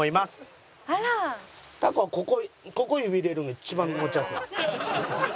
タコはここここに指入れるのが一番持ちやすい。